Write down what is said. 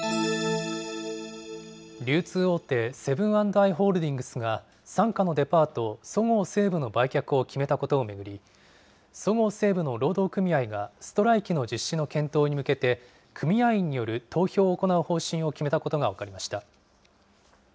流通大手、セブン＆アイ・ホールディングスが、傘下のデパート、そごう・西武の売却を決めたことを巡り、そごう・西武の労働組合がストライキの実施の検討に向けて、組合員による投票を行う方針を決めたことが分かりました。